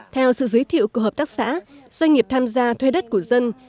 theo sự giới thiệu của hợp tác xã doanh nghiệp tham gia thuê đất của dân